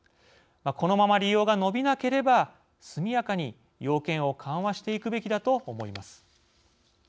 このまま利用が伸びなければ速やかに要件を緩和していくべきだと思います。